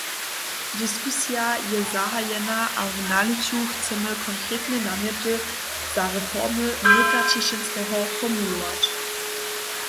Diskusija je zahajena a w nalěću chcemy konkretne namjety za reformu Myta Ćišinskeho formulować.